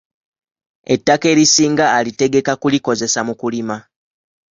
Ettaka erisinga alitegeka kulikozesa mu kulima.